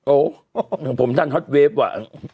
โอ้ผมทันฮอตเวฟว่ะ